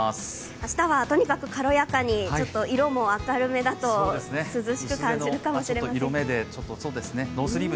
明日はとにかく軽やかにちょっと色も明るめだと涼しく感じるかもしれません。